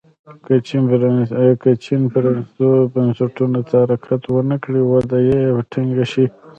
که چین پرانیستو بنسټونو ته حرکت ونه کړي وده یې ټکنۍ شي.